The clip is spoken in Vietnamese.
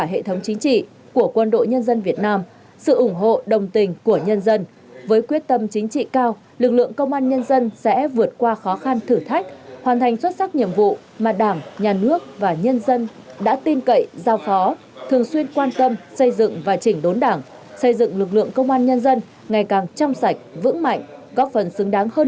khẳng định lực lượng công an nhân dân đã hoàn thành xuất sắc nhiệm vụ được giao góp phần quan trọng giữ vững ổn định chính trị xã hội